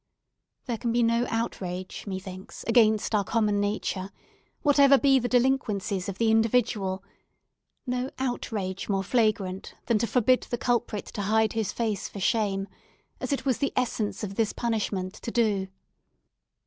There can be no outrage, methinks, against our common nature—whatever be the delinquencies of the individual—no outrage more flagrant than to forbid the culprit to hide his face for shame; as it was the essence of this punishment to do.